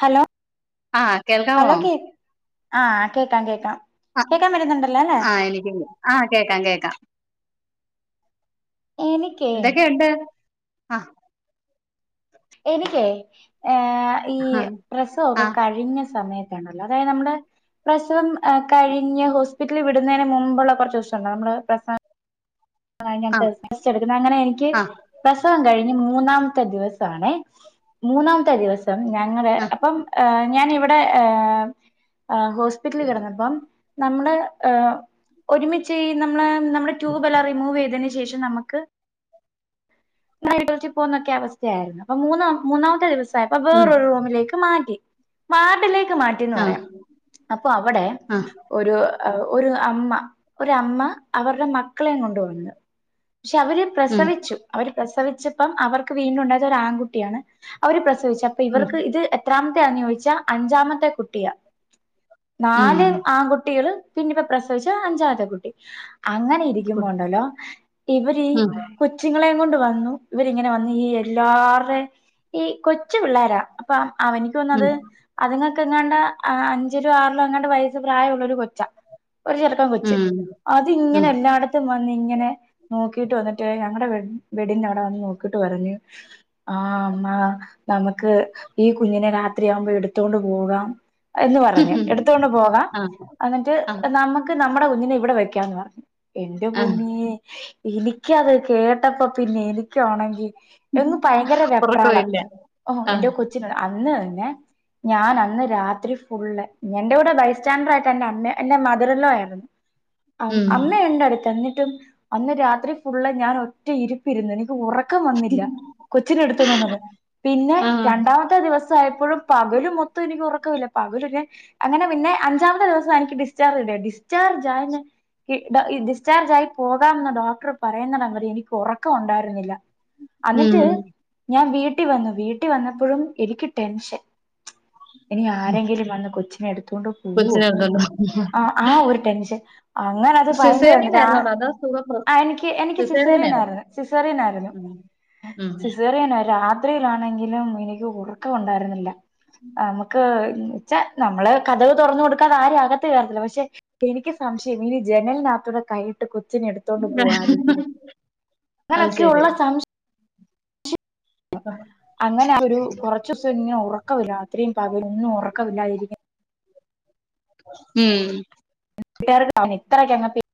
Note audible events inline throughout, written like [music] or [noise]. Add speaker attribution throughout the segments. Speaker 1: Hello
Speaker 2: ആഹ് കേൾക്കാമോ
Speaker 1: hello കേക് ആഹ് കേക്കാം കേക്കാം
Speaker 2: ആഹ്
Speaker 1: കേക്കാം പറ്റുന്നുണ്ടല്ലോ അല്ലേ
Speaker 2: ആഹ് എനിക്ക് [unintelligible] ആഹ് കേക്കാം കേക്കാം
Speaker 1: എനിക്കേ
Speaker 2: എന്തൊക്കെയുണ്ട് ആഹ്
Speaker 1: എനിക്കേ ഏഹ് ഈ
Speaker 2: ആഹ്
Speaker 1: പ്രസവൊക്കെ
Speaker 2: ആഹ്
Speaker 1: കഴിഞ്ഞ സമയ [unintelligible] അതായത് നമ്മടെ പ്രസവം കഴിഞ്ഞു ഹോസ്പിറ്റിൽ വിടുന്നതിന് മുമ്പുള്ള കുറച്ചം നമ്മ ആഹ് ഞങ്ങക്ക് എട്ക്ക്ന്ന അങ്ങനെ എനിക്ക്
Speaker 2: ആഹ്
Speaker 1: പ്രസവം കൈഞ്ഞ് മൂന്നാമത്തെ ദിവസാണെ മൂന്നാമത്തെ ദിവസം ഞങ്ങള്
Speaker 2: ആഹ്
Speaker 1: അപ്പം ഞാനി വടെ ഏഹ് ആഹ് ഹോസ്പിറ്റലിൽ കെടന്നപ്പം നമ്മള് ഒരുമിച്ച് നമ്മളെ നമ്മടെ റ്റൂബെല്ലാം അതിന് ശേഷം നമുക്ക് നൈ പോന്നൊക്കെ അവസ്ഥയായിരുന്നു അപ്പ മൂന്നാം മൂന്നാമത്തെ ദിവസായപ്പൊ
Speaker 2: ഉം
Speaker 1: വേറൊരു റൂമിലേക്ക് മാറ്റി വാർഡിലേക്ക് മാറ്റി ന്ന്
Speaker 2: ആഹ്
Speaker 1: പറയാ അപ്പൊ അവടെ
Speaker 2: ആഹ്
Speaker 1: ഒരു ഒരു അമ്മ ഒരമ്മ അവര്ടെ മക്കളേം കൊണ്ടു വന്നു പക്ഷെ അവര്
Speaker 2: ഉം
Speaker 1: പ്രസവിച്ചു അവര് പ്രസവിച്ചപ്പം അവർക്ക് വീണ്ടും ഉണ്ടായത് ഒരു ആൺകുട്ടിയാണ് അവര് പ്രസവിച്ച് അപ്പൊ
Speaker 2: ഉം
Speaker 1: ഇവര്ക്ക് ഇത് എത്രാമത്തെന്ന് ചോയ്ച്ചാ അഞ്ചാമത്തെ കുട്ടിയാ
Speaker 2: ഉം
Speaker 1: നാല് ആൺകുട്ടികള് പിന്ന ഇപ്പ പ്രസവിച്ച അഞ്ചാത്തെ കുട്ടി അങ്ങനെ
Speaker 2: ഗുഡ്.
Speaker 1: ഇരിക്കുമ്പോണ്ടല്ലോ ഇവരീ
Speaker 2: ഉം
Speaker 1: കൊച്ചുങ്ങളെയും കൊണ്ട് വന്നു ഇവരിങ്ങനെ വന്നു ഈ എല്ലാർടേം ഈ കൊച്ചു പിള്ളാര അപ്പ
Speaker 2: ഉം
Speaker 1: അവനിക്കൊന്നത് അത്ങ്ങൾക്ക് എങ്ങാണ്ട് അഞ്ചിലോ ആറിലോ അങ്ങാണ്ട് വയസ്സ് പ്രായൊള്ളൊര് കൊച്ചാ ഒരു ചെരക്കം കൊച്ച്
Speaker 2: ഉം
Speaker 1: അത് ങ്ങനെ
Speaker 2: ഉം
Speaker 1: എല്ലാടത്തും വന്ന് ങ്ങനെ നോക്കീട്ട് വന്ന്ട്ട് ഞങ്ങടെ വെ വെട്ടിന്റെ അവടെ വന്ന് നോക്കീട്ട് പറഞ്ഞ് ആഹ് മ്മാ നമക്ക് ഈ കുഞ്ഞിനെ രാത്രിയാകുമ്പോ എട്ത്ത്കൊണ്ട് പോകാം എന്ന് പറഞ്ഞ് എട്ത്ത് കൊണ്ട് പോകാം
Speaker 2: ആഹ്
Speaker 1: അന്ന്ട്ട്
Speaker 2: ആഹ്
Speaker 1: നമക്ക് നമ്മടെ കുഞ്ഞിനെ ഇവടെ വെക്കാന്ന് പറഞ്ഞു എന്റെ
Speaker 2: ആഹ്
Speaker 1: പുന്നേ എനിക്കത് കേട്ടപ്പ പിന്നെ എനിക്കാണെങ്കി എന്ന്ന് ഭയങ്കര വെപ്രാളം
Speaker 2: ഉറക്കമില്ല
Speaker 1: ഓഹ് എന്റെ
Speaker 2: ആഹ്
Speaker 1: കൊച്ചിനെ അന്ന് തന്നെ ഞാൻ അന്ന് രാത്രി ഫുള്ള് എന്റെ കൂടെ ബൈസ് സ്റ്റാൻഡറായ്ട്ട് എന്റെ അമ്മ എന്റെ മധറിൻലോ ആയിര്ന്നു
Speaker 2: ഉം
Speaker 1: അമ്മയുണ്ട ട്ത്ത് എന്നിട്ടും അന്ന് രാത്രി ഫുള്ള് ഞാൻ ഒറ്റ ഇരിപ്പിര്ന്നു എനിക്ക് ഉറ ക്കം വന്നില്ല കൊച്ചിനെ എട്ത്തോണ്ട് വന്ന്ട്ട് പിന്നെ
Speaker 2: ആഹ്
Speaker 1: രണ്ടാമത്തെ ത്തെ ദിവസായപ്പോഴും പകല് മൊത്തം എനിക്ക് ഉറക്കമില്ല പകലും ഞാൻ അങ്ങനെ പിന്നെ അജ്ജാമത്തെ ദിവസാ എനിക്ക് ഡിസ്ചാർജ് കിട്ട്യേത് ഡിസ്ചാർജ് ആയ ഡിസ്ചർജ് ആയി പോകാംന്ന് ഡോക്ടർ പറയ്ന്നിടം വരേ എനിക്ക് ഒറക്കം ഉണ്ടായിര്ന്നില്ല.
Speaker 2: ഉം
Speaker 1: അന്നിട്ട് ഞാൻ വീട്ടി വന്നു വീട്ടി വന്നപ്പഴും എനിക്ക് ടെൻഷൻ ഇനി ആരെങ്കിലും വന്ന് കൊച്ചിനെ എട്ത്തോണ്ട് ഉവ്വൊ
Speaker 2: കൊച്ചിനെ ഉണ്ടല്ലോ
Speaker 1: ആ ആ ഒരു ടെൻഷൻ അങ്ങന അത് ഭയങ്കര ആണ് ജാ
Speaker 2: അതാ സുക
Speaker 1: ആ എനിക്ക് എനിക്ക് സിസേറിയനാരുന്നു സിസറിയനായിരുന്നു
Speaker 2: ഉം ഉം
Speaker 1: സിസേറിയനായി രാത് അത്രയിലാണെങ്കിലും എനിക്ക് ഉറക്കം ഉണ്ടായിരുന്നില്ല നമുക്ക് പക്ഷ നമ്മള് കഥവ് തുറു കൊടുക്കാത ആരും ആകത്ത് കേറില്ല പക്ഷെ എനിക്ക് സംശയം ഇനി ജനലിനകത്തൂടെ കൈയിട്ട് കൊച്ചിനെ എടു ട്ത്തൊണ്ട് പൊവോ ആരെങ്കിലും
Speaker 2: അത് ശരി
Speaker 1: അങ്ങനെയൊക്കെയള്ള സംശ
Speaker 2: ഉം
Speaker 1: അങ്ങനെ ഒരു കൊറ കുറച്ചുസം ഉറക്കമില്ല രാത്രിയും പകൽ ഒന്നും ഉറക്കമില്ലാതിരിക്കും
Speaker 2: ഉം
Speaker 1: [unintelligible]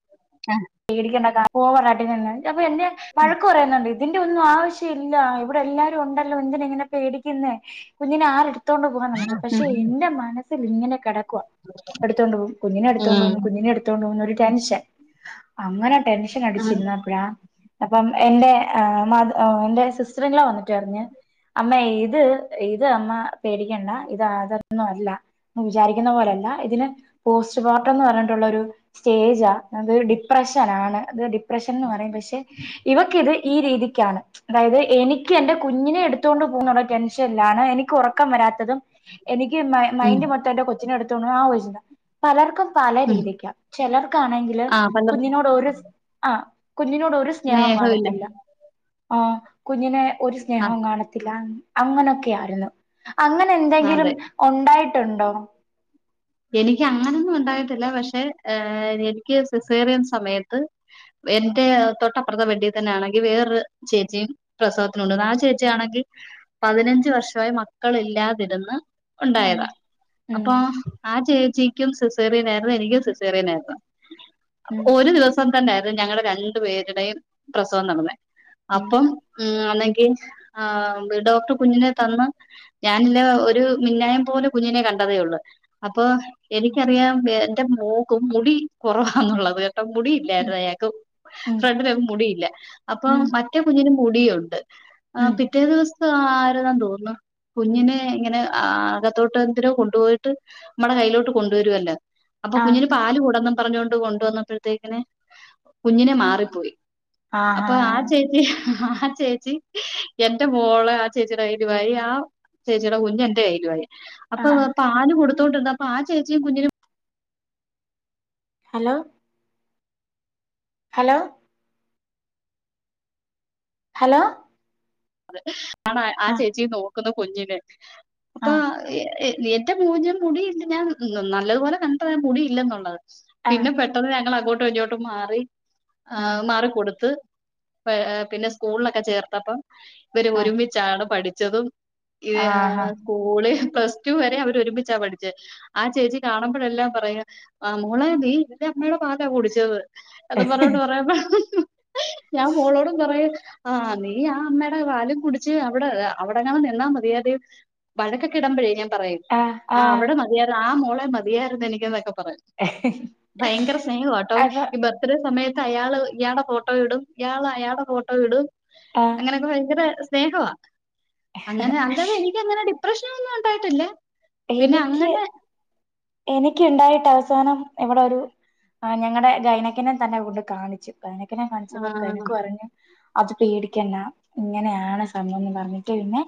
Speaker 2: അഹ്
Speaker 1: പേടിക്കേണ്ട പോ പാട്ടന്ന അപ്പൊ എന്നെ വഴക്ക് പറയുന്നുണ്ട് ഇതിന്റെ ഒന്നും ആവശ്യം ഇല്ല ഇവിടെ എല്ലാരും ഉണ്ടല്ലോ എന്തിനിങ്ങനെ പേടിക്കുന്ന കുഞ്ഞിനെ ആരെടു ത്തോണ്ട് പോകാനാ പക്ഷെ എന്റെ മനസ്സില് ഇങ്ങനെ കെടക്കുവ എടുത്തോണ്ട് പോവും
Speaker 2: ഉം
Speaker 1: കുഞ്ഞിനെടുത്തോണ്ട് പോവും
Speaker 2: ഉം
Speaker 1: കുഞ്ഞിനെടു ട്ത്തോണ്ടു പോണൊരു ടെൻഷൻ അങ്ങനെ ടെൻഷൻ
Speaker 2: ആഹ്
Speaker 1: അടിച്ചിരുന്നപ്പഴാ അപ്പം എന്റെ മത എന്റെ സിസ്റ്ററിങ്ങ്ലോ വന്നിട്ട് പറഞ്ഞ് അമ്മേ ഇത് ഇത് അമ്മ പേടിക്കണ്ട ഇത് അതൊന്നും അല്ല വിചാരിക്കുന്ന പോലല്ല ഇതിന് പോസ്റ്റ്പാർട്ടം എന്ന് പറഞ്ഞിട്ടുള്ള ഒരു സ്റ്റേജാ അത് ഡി പ്രഷനാണ് അത് ഡിപ്രഷൻ എന്ന് പറയും പക്ഷെ ഇവക്കിത് ഈ രീതിക്കാണ് അതായത് എനിക്ക് എൻ്റെ കുഞ്ഞിനെ എടുത്തൊണ്ട് പോകുന്ന ടെൻഷൻല്ലാണ് എനിക്ക് ഉറ ക്കം വരാത്തതും എനിക്ക്
Speaker 2: ഉം
Speaker 1: മൈൻഡ് മൊത്തം എന്റെ കൊച്ചിനെ എടുത്തോണ്ടൊണ ആലൊയിച്ചിട്ട പലർക്കും പല
Speaker 2: ഉം
Speaker 1: രീതിക്ക ചെലർക്കാണെങ്കില്
Speaker 2: ആഹ് പന്ത്ര
Speaker 1: ടൊര് ആ കുഞ്ഞിനോട് ഒരു സ്നേഹം
Speaker 2: സ്നേഹമില്ല.
Speaker 1: കാണത്തില്ല ആ കുഞ്ഞിനെ ഒരു
Speaker 2: ആഹ്
Speaker 1: സ്നേഹം കാണത്തില്ല അങ്ങനൊക്കെയായിരുന്നു അങ്ങനെ എന്തെങ്കിലും
Speaker 2: അതെ.
Speaker 1: ഉണ്ടായിട്ടുണ്ടോ
Speaker 2: എനിക്ക് അങ്ങനൊന്നും ഉണ്ടായിട്ടില്ല പക്ഷെ എനിക്ക് സിസേറിയൻ സമയത്ത് എന്റെ തൊട്ടപ്പുറത്തെ ബെഡിൽ തന്നെയാണെങ്കിൽ വേറൊരു ചേച്ചിയും പ്രസവത്തിനുണ്ട് ആ ചേച്ചിയാണെങ്കിൽ പതിനഞ്ച് വർഷമായി മക്കളില്ലാതിരുന്ന്
Speaker 1: ഉം
Speaker 2: ഉണ്ടായതാ
Speaker 1: ഉം
Speaker 2: അപ്പൊ ആ ചേച്ചിക്കും സിസേറിയനായിരുന്നു എനിക്കും സിസേറിയനാരുന്നു അ
Speaker 1: ഉം
Speaker 2: ഒരു ദിവസം സം തന്നെയായിരുന്നു ഞങ്ങളടെ രണ്ടു പേരുടെയും പ്രസവം നടന്നെ
Speaker 1: ഉം
Speaker 2: അപ്പം ഉം അണെങ്കിൽ ആ ഡോക്ടർ കുഞ്ഞിനെ തന്ന് ഞാനില്ലെ ഒരു മിന്നായം പോലെ കുഞ്ഞിനെ കണ്ടതേ ഉള്ളു അപ്പൊ എനിക്കറിയാം എന്റെ മോക്കും മുടി കുറവാന്നുള്ളത്
Speaker 1: ഉം
Speaker 2: മുടിയില്ലായിരുന്നു അയാക്കും
Speaker 1: ഉം
Speaker 2: ഫ്രണ്ടിലൊന്നും മുടിയില്ല അപ്പം
Speaker 1: ഉം
Speaker 2: മറ്റേ കുഞ്ഞിന് മുടിയുണ്ട് ആ
Speaker 1: ഉം
Speaker 2: പിറ്റേ ദിവസ ആര്ന്നെൻ തോന്നുന്നു കുഞ്ഞിനെ ഇങ്ങനെ അകത്തോട്ട് എന്തിനൊ കൊണ്ടുപോയിട്ട് നമ്മടെ കയ്യിലോട്ട് കൊണ്ടുവരുമല്ലോ അപ്പൊ
Speaker 1: ആഹ്
Speaker 2: കുഞ്ഞിന് പാല് കൊടെന്ന് പറഞ്ഞൊണ്ട് കൊണ്ടുവന്നപ്പോഴത്തേക്കിന് കുഞ്ഞിനെ മാറിപ്പോയി
Speaker 1: ആഹാ
Speaker 2: അപ്പൊ ആ ചേച്ചി ആ ചേ ച്ചി എന്റെ മോള് ആ ചേച്ചിടെ കയ്യിലുവായി ആ ചേച്ചിയുടെ കുഞ്ഞു എന്റെ കയ്യിലുവായി അപ്പൊ
Speaker 1: ആഹ്
Speaker 2: പാല് കൊടുത്തോണ്ടിരുന്നപ്പൊ ആ ചേച്ചിയും കുഞ്ഞിന്
Speaker 1: ഹലോ ഹലോ ഹലോ
Speaker 2: അത ആണ് ആ
Speaker 1: ആഹ്
Speaker 2: ചേച്ചിയും നോക്കുന്ന് കുഞ്ഞിനെ അപ്പൊ
Speaker 1: ആഹ്
Speaker 2: ഏറ്റ മൂജ്യം മുടിയില്ല ഞാൻ നല്ലതുപോലെ കണ്ടത ഞാൻ മുടി ഇല്ലെന്നുള്ളത്
Speaker 1: ആഹ്
Speaker 2: പിന്നെ പെട്ടെന്ന് ഞങ്ങൾ അങ്ങോട്ടും ഇങ്ങോട്ടും മാറി
Speaker 1: ആഹ്
Speaker 2: മാറിക്കൊടുത്ത് പിന്നെ സ്കൂളിലൊക്കെ ചേർത്തപ്പം ഇവര്
Speaker 1: ആഹ്
Speaker 2: ഒരുമിച്ചാണ് പഠിച്ചതും. ഈ
Speaker 1: ആഹാ
Speaker 2: സ്കൂള് പ്ലസ്ടു വരെ അവരൊരുമിച്ചാ പഠിച്ചേ. ആ ചേച്ചി കാണുമ്പോഴെല്ലാം പറയു മോള നീ എന്റമ്മയുടെ പാലാ കുടിച്ചത്. എതും പറഞ്ഞോട്ട് പറയാപ്പ ഞാൻ മോളോടും പറയാ ആഹ് നീ ആ അമ്മയുടെ പാലും കുടിച്ച് അവിടെ അവിടെ ങ്ങാൻ നിന്നാൽ മതിയാർന്ന് വഴക്കൊക്കെ ഇടുമ്പോഴേ ഞാൻ പറയും ആഹ് അവിടെ മതിയായിരുന്നു ആ മോളെ മതിയായിരുന്നു എനിക്ക് എന്നൊക്കെ പറയും. ഭയങ്കര സ്നേഹട്ടോ
Speaker 1: അപ്പൊ
Speaker 2: ഇബ ഒരേ സമയത്ത് അയാള് ഇയാളുടെ ഫോട്ടോ ഇടും ഇയാൾ അയാളുടെ ഫോട്ടോ ഇടും.
Speaker 1: ആഹ്
Speaker 2: ഭയങ്കര സ്നേഹവ അങ്ങനെ അല്ലാതെ എനി ക്കങ്ങനെ ഡിപ്രഷനൊന്നും ഉണ്ടായിട്ടില്ല പിന്നെ
Speaker 1: എനിക്ക്
Speaker 2: അങ്ങനെ.
Speaker 1: എനിക്കുണ്ടായിട്ട് അവസാനം ഇവിടെ ഒരു ഞങ്ങളുടെ ഗൈനക്കിനെ തന്നെ കൊണ്ട് കാണിച്ചു. ഗൈനക്കിനെ കാണിച്ചപ്പം
Speaker 2: ആ
Speaker 1: ഗൈനക്ക് പറഞ്ഞ് അത് പേടിക്കണ്ട ഇങ്ങനെയാണ് സംഭവംന്ന് പറഞ്ഞിട്ട് പിന്നെ.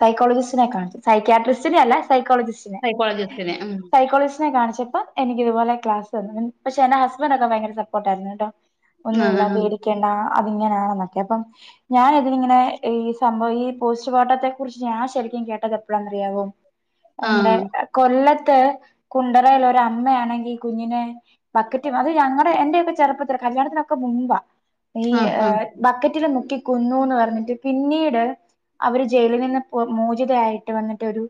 Speaker 1: സൈക്കളജിസ്റ്റിനെ കാണിച്ച് സൈക്കാട്രിസ്റ്റിനെ അല്ല സൈക്കോളജിസ്റ്റിനെ.
Speaker 2: സൈക്കോളജിസ്റ്റ്.
Speaker 1: സൈക്കോളജിസ്റ്റിനെ കാണിച്ചിട്ട് എനിക് ഇതുപോലെ ക്ലാസ് തന്ന് പക്ഷെ എന്റെ ഹസ്ബന്റൊക്കെ ഭയങ്കര സപ്പോർട്ടായിരുന്നു കേട്ടാ
Speaker 2: ആഹ്
Speaker 1: ഒന്നുമില്ലപേടിക്ക ണ്ട അത് ഇങ്ങനാണെന്നൊക്കെ അപ്പം. ഞാനതിങ്ങനെ ഈ സംഭവം ഈ പോസ്റ്റ്പാർട്ടത്തെ കുറിച്ച് ഞാൻ ശരിക്കും കേട്ടത് എപ്പോഴാന്ന റിയാവൊ നമ്മുടെ
Speaker 2: ആഹ്
Speaker 1: കൊല്ലത്ത് കുണ്ടറൽ ഒരമ്മയാണെങ്കി കുഞ്ഞിനെ. ബക്കറ്റും അത് ഞങ്ങളുടെ എന്റെയൊക്കെ ചെറുപ്പത്തിൽ കല്യാണത്തിനൊക്കെ മുമ്പ. ഈ
Speaker 2: ആഹ് ആഹ്
Speaker 1: ബക്കറ്റില് മുക്കിക്കൊന്നൂന്ന് പറഞ്ഞിട്ട് പിന്നീട്. അവര് ജയിലിൽ നിന്ന് മോചിതയായിട്ട് വന്നിട്ട് ഒരു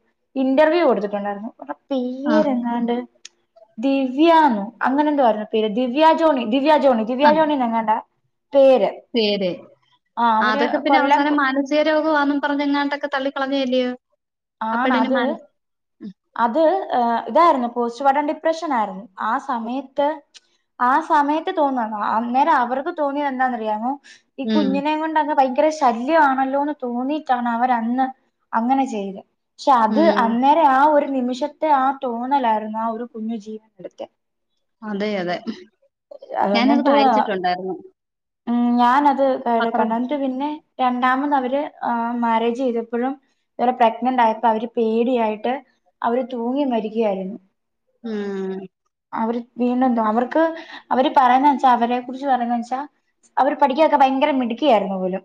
Speaker 1: ഇന്റർവ്യൂ കൊടുത്തിട്ടുണ്ടായിരുന്നു.
Speaker 2: ആഹ്
Speaker 1: പേരെങ്ങാണ്ട് ദിവ്യാന്നൊ അങ്ങനെ എന്തോ ആരുന്നു പേര് ദിവ്യാ ജോണി ദിവ്യാ ജോണി ദിവ്യാ
Speaker 2: ആഹ്
Speaker 1: ജോണിന്നെങ്ങാണ്ടാ പേര്.
Speaker 2: ശരി
Speaker 1: ആ അവര് കൊല്ലം.
Speaker 2: ഹൃദയ രോഗമാന്നും പറഞ്ഞങ്ങാ ണ്ടൊക്കെ തള്ളിക്കളഞ്ഞല്ലിയോ.
Speaker 1: ആണത്. അത് ഇതായിരുന്നു പോസ്റ്റ്പാർട്ടം ഡിപ്രഷൻ ആയിരുന്നു ആ സമയത്ത്. ആ സമയത്ത് തോന്നണം അന്നേരം അവർക്ക് തോന്നിയത് എന്താന്നറിയാമോ. ഈ
Speaker 2: ഉം
Speaker 1: കുഞ്ഞിനെയും കൊണ്ടക്ക ഭയങ്കര ഷീ ശല്യ ആണല്ലോന്ന് തോന്നിയിട്ടാണ് അവരന്ന് അങ്ങനെ ചെയ്ത് പക്ഷെ അത്
Speaker 2: ഉം
Speaker 1: അന്നേ. ആ ഒരു നിമിഷത്തെ ആ തോന്നലായിരുന്നു ആ ഒരു കുഞ്ഞു ജീവനെടുത്തെ
Speaker 2: അതെ അതെ ഞാനത്
Speaker 1: എന്നിട്ട്
Speaker 2: വായിച്ചിട്ടുണ്ടായിരുന്നു.
Speaker 1: ഉം ഞാനത്
Speaker 2: പത്രത്തിൽ
Speaker 1: കണ്ടത പിന്നെ. രണ്ടാമത് അവര് മാരേജ് ചെയ്തപ്പോഴും. വേറെ പ്രഗ്നന്റ് ആയപ്പോ അവര് പേടിയായിട്ട് അവര് തൂങ്ങി മരിക്കുകയായിരുന്നു.
Speaker 2: ഉം
Speaker 1: അവര് വീണ്ടുംന്തോ അവർക്ക് അവര് പറയുന്ന വെച്ചാ അവരെ കുറിച്ച് പറയുന്നത് വെച്ചാ അവർ പഠിക്കാനൊക്കെ ഭയങ്കര മിടുക്കി യായിരുന്നു പോലും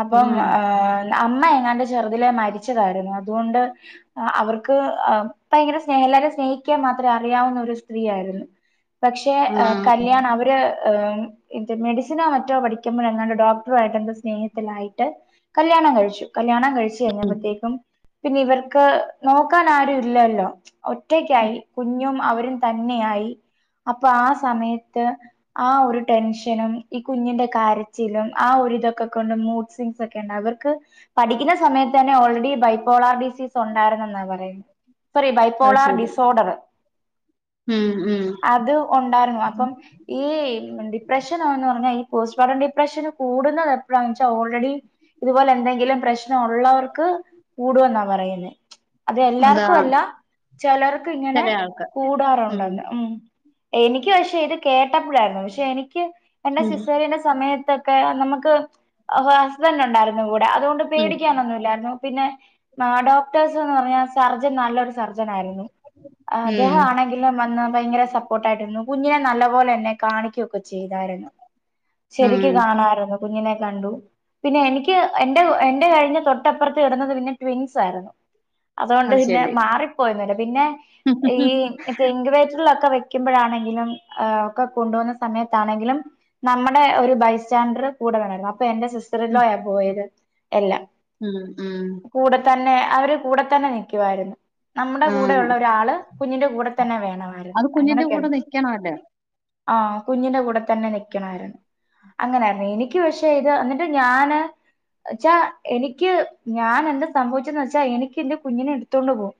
Speaker 1: അപ്പം
Speaker 2: ഉം
Speaker 1: ആഹ് അമ്മ എങ്ങാണ്ട് ചെറുതിലെ മരിച്ചതായിരുന്നു അതുകൊണ്ട്. അവർക്ക് ഭയങ്കര സ്നേഹ എല്ലാ രെ സ്നേഹിക്കാൻ മാത്രേ അറിയാവുന്ന ഒരു സ്ത്രീയാ യിരുന്നു. പക്ഷെ
Speaker 2: ആഹ്
Speaker 1: കല്യാണം അവര് മെഡി. സിനോ മറ്റോ പഠിക്കുമ്പോൾ എങ്ങാണ്ട് ഡോക്ടറുമായിട് എന്തോ സ്നേഹത്തിലായിട്ട് കല്യാണം കഴിച്ചു കല്യാണം കഴി ച്ചു കഴിഞ്ഞപ്പോത്തേക്കും പിന്നെ ഇവർക്ക് നോക്കാൻ ആരു ഇല്ലല്ലോ. ഒറ്റയ്ക്കായി കുഞ്ഞും അവരും തന്നെയായി അപ്പൊ ആ സമയത്ത് ആ ഒരു ടെൻഷനും. ഈ കുഞ്ഞിന്റെ കരച്ചിലും ആ ഒരിതൊക്കെ കൊണ്ട് മൂഡ് സിങ്സ് ഒക്കെ ഉണ്ട് അവർക്ക്. പഠിക്കുന്ന സമയത്ത് തന്നെ ഓൾറെഡി ബൈപ്പോളാർ ഡിസീസ്. ഒണ്ടായിരുന്നെന്നാ പറയുന്നെ സോറി
Speaker 2: അത്
Speaker 1: ബൈപോളാർ
Speaker 2: ശരി
Speaker 1: ഡിസോഡർ
Speaker 2: ഉം ഉം
Speaker 1: ഉണ്ടായിരുന്നു അപ്പം ഈ ഡിപ്രഷനോന്ന് പറ ഞാ ഈ പോസ്റ്റ്മോർട്ടം ഡിപ്രഷന് കൂടുന്നത് എപ്പഴാന്ന് വച്ചാ ഓൾറെഡി ഇതുപോലെ എന്തെങ്കിലും പ്രശ്നം ഉള്ളവർക്ക് കൂടു എന്നാ പറയുന്നെ.
Speaker 2: അതാ
Speaker 1: അതെല്ലാർക്കു അല്ല ചിലർക്ക് ഇങ്ങനെ
Speaker 2: ചില ആൾക്ക്
Speaker 1: കൂടാറുണ്ടെന്ന് ഉം എനിക്ക് പക്ഷെ ഇത് കേട്ടപ്പഴായിരുന്നു പക്ഷെ എനിക്ക് എൻ്റെ
Speaker 2: ഉം
Speaker 1: സിസേറിയൻ്റെ സമയത്തൊക്കെ നമുക്ക് എ ഹസ്ബൻ്റുണ്ടായിരു ന്നു കൂടെ. അതുകൊണ്ട്
Speaker 2: ഉം
Speaker 1: പേടിക്കാനൊന്നുമില്ലായിരുന്നു പിന്നെ, ആഹ് ഡോക്ടേഴ്‌സ്ന്ന് പറഞ്ഞ സർജൻ നല്ലൊരു സർജൻ ആയിരുന്നു. അദ്ദേഹ
Speaker 2: ഉം
Speaker 1: ആണെങ്കി പിന്നെം വന്ന് ഭയങ്കര സപ്പോർട്ടായിട്ട് നിന്നു. കുഞ്ഞിനെ നല്ല പോലെ എന്നെ കാണിക്ക്യൊക്കെ ചെയ്തായിരുന്നു.
Speaker 2: ഉം
Speaker 1: ശരിക്ക് കാണായിരുന്നു കുഞ്ഞിനെ കണ്ടു. പിന്നെ എനിക്ക് എന്റെ എന്റെ കഴിഞ്ഞ തൊട്ടപ്പുറത്ത് കെടന്നത് പിന്നെ ട്വിൻസ് ആയിരുന്നു. അതുകൊണ്ട്
Speaker 2: അത്
Speaker 1: പിന്നെ
Speaker 2: ശരി
Speaker 1: മാറിപ്പോയന്നുല്ല. പിന്നെ ഈ ഇങ്കുവേറ്ററിലൊക്കെ വ്യെ ക്ക്യുമ്പഴാണെങ്കിലും ഏഹ് ഒക്കെ കൊണ്ടു പോകുന്ന സമയത്താണെങ്കിലും നമ്മുടെ ഒരു ബൈസ് സ്റ്റാൻഡർ കൂടെ വേണായിരുന്നു. അപ്പൊ എന്റെ
Speaker 2: ഉം
Speaker 1: സിസ്റ്ററിൻലോയാ പോയത് എല്ലാം.
Speaker 2: ഉം ഉം
Speaker 1: കൂടെ തന്നെ, അവര് കൂടെ തന്നെ നിക്ക്യുവായിരുന്നു. നമ്മുടെ
Speaker 2: ആഹ്
Speaker 1: കൂടെയുള്ള ഒരാള് കുഞ്ഞിന്റെ കൂടെ തന്നെ വേണമായിരുന്നു അങ്ങനൊക്കായ്ര്ന്നു.
Speaker 2: അതെ
Speaker 1: ആഹ് കുഞ്ഞിന്റെ കൂടെ തന്നെ നിക് ണമായിരുന്ന്. അങ്ങനായിരുന്നു. എനിക്ക് പക്ഷേ ഇത് എന്നിട്ട് ഞാന് വച്ചാ എനിക്ക് ഞാൻ എന്താ സംഭവിച്ചേന്ന് വെച്ചാ എനിക്ക് എന്റെ കുഞ്ഞിനെ എടുത്തോണ്ട് പോവും.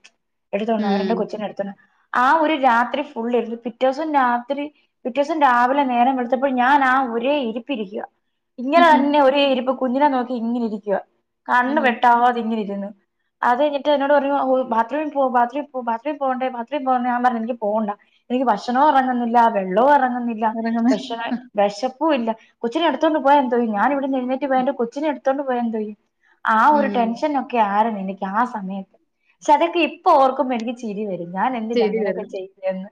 Speaker 1: എടുത്തോണ്ടു പോവും. അവരെന്റെ
Speaker 2: ഉം
Speaker 1: കൊച്ചിനെ എടുത്തോണ്ട് ആ ഒരു രാത്രി ഫുള്ള് ഇരുന്നു. പിറ്റേസം രാത്രി പിറ്റേസം രാവിലെ നേരം വെള് ത്തപ്പം ഞാനാ ഒരേ ഇരിപ്പ് ഇരിക്ക. ഇങ്ങനെ തന്നെ ഒരേ ഇരിപ്പ്. കുഞ്ഞിനെ നോക്കി ഇങ്ങനെ ഇരിക്കുവ. കണ്ണ്
Speaker 2: ഉം
Speaker 1: വെട്ടാവാതെ ഇങ്ങനെ ഇരുന്ന്. അത് കയിഞ്ഞിട്ട് എന്നോട് പറഞ്ഞു, ഓഹ് ബാത്റൂമിൽ പോ ബാത്റൂമിൽ പോ ബാത്റൂമി പോവണ്ടേ ബാത്റൂം പോവണ്ടേ ഞാൻ പറഞ്ഞു എനിക്ക് പോണ്ട. എനിക്ക് ഭക്ഷണോ എറങ്ങുന്നില്ലാ വെള്ളവും എറങ്ങു
Speaker 2: എറങ്ങുന്നെ
Speaker 1: വെഷപ്പു ഇല്ല കൊച്ചിനെ എടുത്തോണ്ട് പോയാ എന്തോ ചെയ്യും. ഞാന് ഇവിടന്ന് എഴുന്നേറ്റ് പോയാ എൻ്റെ കൊച്ചിനെ എടുത്തോണ്ട് പോയാ എന്തോ ചെയ്യും. ആ
Speaker 2: ഉം
Speaker 1: ഒരു ടെൻഷനൊക്കെ ആയ്രുന്നു എനിക്ക് ആ സമയത്ത്. പക്ഷെ അതൊക്കെ ഇപ്പൊ ഓർക്കുമ്പോ എനിക്ക് ചിരി വരും. ഞാൻ എന്തിനാ
Speaker 2: ശരി വരും
Speaker 1: അങ്ങനൊക്കെ ചെയ്തേന്ന്.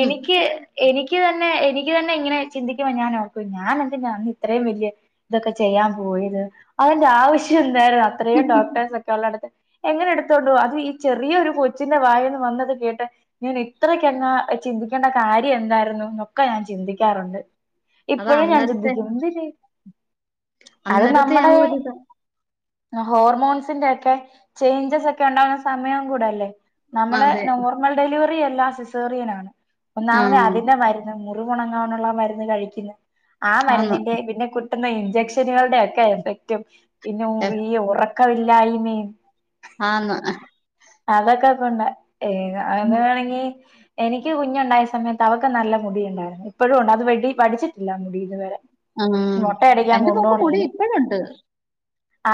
Speaker 1: എനിക്ക് എനിക്ക് തന്നെ എനി ക്ക് തന്നെ ഇങ്ങനെ ചിന്തിക്കുമ്പം ഞാനോർക്കും ഞാൻ എന്തിനാ അന്ന് ഇത്രയും വലിയ ഇതൊക്കെ ചെയ്യാൻ പോയത് അതിന്റെ ആവശ്യം എന്തായിരുന്നു അത്രയും ഡോക്ടേഴ്സ് ഒക്കെ ഉള്ളടത്ത് എങ്ങനെ എടുത്തോണ്ടു പോവും. അതും ഈ ചെറിയൊരു കൊച്ചിന്റെ വായേന്ന് വന്നത് കേട്ട് ഞാൻ ഇത്രക്കങ്ങ് ചിന്തിക്കേണ്ട കാര്യം എന്തായിരുന്നു ന്നൊക്കെ ഞാൻ ചിന്തിക്കാറുണ്ട്.
Speaker 2: അത്
Speaker 1: ഇപ്പഴും ഞാൻ
Speaker 2: അന്നരത്തെ
Speaker 1: ചിന്തിക്കും എന്തിന്. അത്
Speaker 2: അന്നരത്തെ ആ
Speaker 1: നമ്മ്ടെ
Speaker 2: ഒരിത്
Speaker 1: ഹോർമോൺസിന്റെ ഒക്കെ ചേയ്ഞ്ചസ് ഒക്കെ ഉണ്ടാവുന്ന സമയം കൂടല്ലേ നമ്മെള്
Speaker 2: അതെ
Speaker 1: നോർമൽ ഡെലിവറി അല്ലാ സിസേറിയനാണ്. ഒന്നാമത്
Speaker 2: ആഹ്
Speaker 1: അതിന്റെ മരുന്ന് മുറി ഉണങ്ങാനുള്ള മരുന്ന് കഴിക്കുന്ന്, ആ
Speaker 2: ആന്ന്
Speaker 1: മരുന്നിൻ്റേം പിന്നെ കുട്ടുന്ന ഇഞ്ചക്ഷനുകളുടെയൊ ക്കെ എഫക്റ്റും പിന്നെ
Speaker 2: എ-
Speaker 1: [unintelligible] ഉറക്കമില്ലായ്മയും
Speaker 2: ആന്ന്
Speaker 1: അതൊക്കെ കൊണ്ടാ. [unintelligible] എനിക്ക് കുഞ്ഞുണ്ടായ സമയത്ത് അവക്ക് നല്ല മുടി ഉണ്ടായിരുന്നു. ഇപ്പഴും ഉണ്ട് അത് വെട്ടി വടിച്ചിട്ടില്ല മുടി ഇതുവരെ.
Speaker 2: ആഹ്
Speaker 1: മൊട്ടയടിക്കാൻ
Speaker 2: എന്റെ മോക്ക്
Speaker 1: കൊണ്ടോണ
Speaker 2: മുടി
Speaker 1: ഇനി.
Speaker 2: ഇപ്പഴുണ്ട്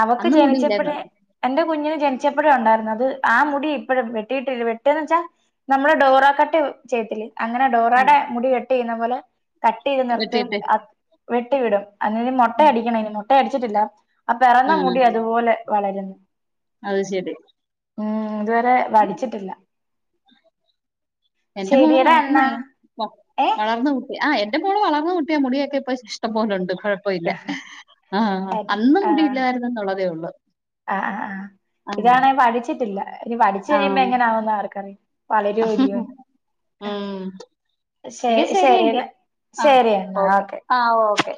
Speaker 1: അവക്ക്
Speaker 2: അന്ന്
Speaker 1: ജനിച്ചപ്പഴേ
Speaker 2: മുടിയില്ലായിരുന്നു
Speaker 1: എന്റെ കുഞ്ഞിന് ജനിച്ചപ്പോഴും ഉണ്ടായിരരുന്നു അത് ആ മുടി ഇപ്പഴ വെട്ടിട്ട വെട്ടന്ന് വെച്ചാ നമ്മുടെ ഡോറ കട്ട് ചെയ്ത്തില്ലേ അങ്ങനെ
Speaker 2: ആഹ്
Speaker 1: ഡോറാടെ മുടി കെട്ടി ചെയുന്ന പോലെ തട്ടി ചെയ്ത് നിർത്ത
Speaker 2: വെട്ടിയിട്ട്
Speaker 1: വെട്ടി വിടും അന്നിനി മൊട്ടയടിക്ക്ണിനി മൊട്ടയടിച്ചിട്ടില്ല. അ പെറന്നാ
Speaker 2: ഉം
Speaker 1: മുടി അതുപോലെ വളരുന്നു.
Speaker 2: അത് ശെരി.
Speaker 1: ഉം ഇതുവരെ വടിച്ചിട്ടില്ല.
Speaker 2: എൻ്റെ മോള്
Speaker 1: ശരിയടാ എന്നാ
Speaker 2: വളർന്നെ പ്പം
Speaker 1: ഏ
Speaker 2: വളർന്ന് ആഹ് എന്റെ മോള് വളർന്നു കുട്ടിയാ മുടിയൊക്ക ഇപ്പൊ ഇഷ്ടം പോലുണ്ട്. കൊ ഴപ്പുല്ല ആഹ്
Speaker 1: ആ
Speaker 2: അന്നു മുടി ഇല്ലായിരുന്നെന്നുള്ളതേ ഉള്ളൂ.
Speaker 1: ആഹ് ആഹ്
Speaker 2: ആഹ്
Speaker 1: ഇതാണെ വടിച്ചിട്ടില്ല ഇനി വടിച്ചു കഴിയുമ്പോ
Speaker 2: ആഹ്
Speaker 1: എങ്ങനെയാവുന്ന് ആർക്കറിയാ. വളരൂല്ലെയൊന്നു
Speaker 2: ഉം
Speaker 1: ശെ
Speaker 2: എങ്കിൽ
Speaker 1: ശെരിര
Speaker 2: ശരിയെങ്കി
Speaker 1: ശരി എന്നാ ആ ഓക്കെ.
Speaker 2: ആഹ് ഓക്കെ.